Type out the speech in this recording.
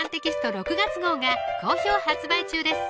６月号が好評発売中です